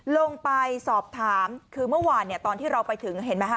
ลงไปสอบถามคือเมื่อวานตอนที่เราไปถึงเห็นไหมฮะ